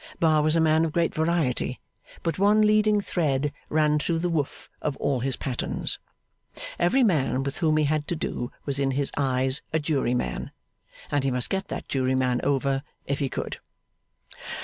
Bar was a man of great variety; but one leading thread ran through the woof of all his patterns. Every man with whom he had to do was in his eyes a jury man; and he must get that jury man over, if he could.